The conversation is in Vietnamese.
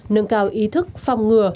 nâng cao ý thức phong ngừa